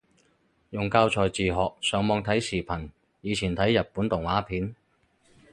用教材自學，上網睇視頻，以前睇日本動畫片